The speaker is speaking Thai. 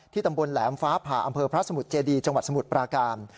ตำบลแหลมฟ้าผ่าอำเภอพระสมุทรเจดีจังหวัดสมุทรปราการ